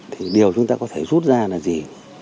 thì điều chúng ta có thể rút ra là gì